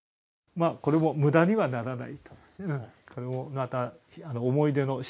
これもむだにはならないと。